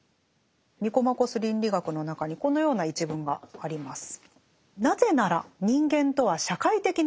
「ニコマコス倫理学」の中にこのような一文があります。